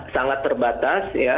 sangat terbatas ya